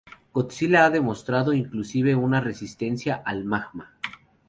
Godzilla ha demostrado inclusive una resistencia al magma.